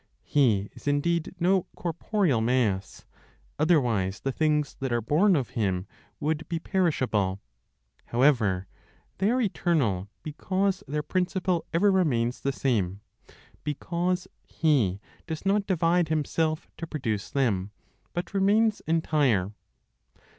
He is indeed no corporeal mass; otherwise the things that are born of Him would be perishable. However, they are eternal, because their principle ever remains the same, because He does not divide Himself to produce them, but remains entire.